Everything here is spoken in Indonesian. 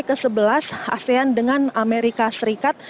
kesebelas asean dengan amerika serikat